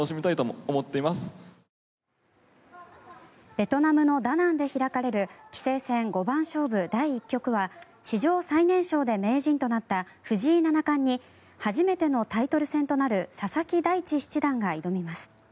ベトナムのダナンで開かれる棋聖戦五番勝負第１局は史上最年少で名人となった藤井七冠に初めてのタイトル戦となる佐々木大地七段が挑みます。